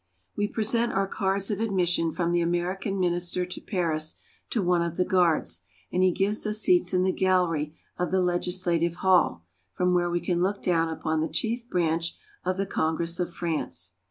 We present our cards of admission from the American Minister to Paris to one of the guards, and he gives us seats in the gallery of the Legislative Hall, from where we can look down upon the chief branch of the Congress of France.